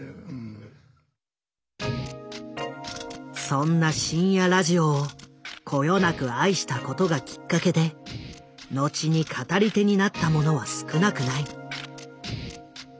そんな深夜ラジオをこよなく愛したことがきっかけで後に語り手になった者は少なくない。